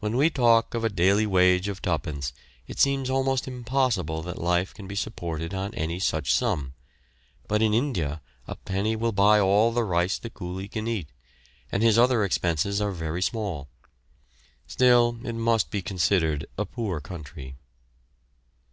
When we talk of a daily wage of twopence it seems almost impossible that life can be supported on any such sum; but in India a penny will buy all the rice the coolie can eat, and his other expenses are very small. Still, it must be considered a poor country.